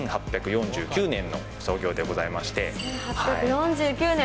１８４９年の創業でございま１８４９年。